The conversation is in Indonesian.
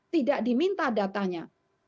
tidak diminta datanya